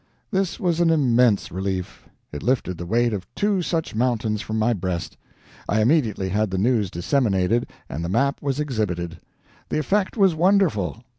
This was an immense relief; it lifted the weight of two such mountains from my breast. I immediately had the news disseminated and the map was exhibited. The effect was wonderful.